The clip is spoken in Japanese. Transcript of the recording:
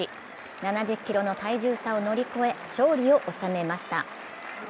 ７０ｋｇの体重差を乗り越えた宇野が勝利を収めました。